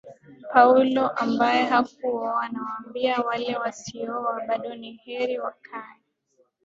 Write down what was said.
Paulo ambaye hakuoa Nawaambia wale wasiooa bado Ni heri wakae